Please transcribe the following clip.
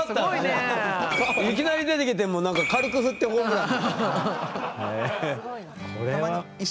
いきなり出てきて軽く振ってホームラン。